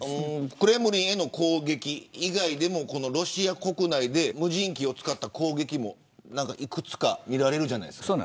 クレムリンへの攻撃以外にもロシア国内で無人機を使った攻撃がいくつか見られるじゃないですか。